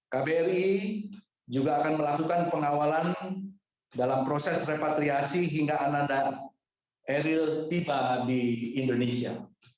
kbri juga akan melakukan pengawalan dalam proses repatriasi hingga ananda eril tiba di indonesia